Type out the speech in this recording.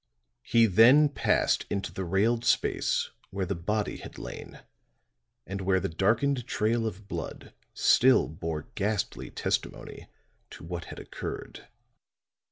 He then passed into the railed space where the body had lain and where the darkened trail of blood still bore ghastly testimony to what had occurred.